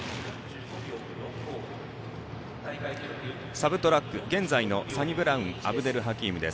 サブトラック、現在のサニブラウン・アブデルハキーム。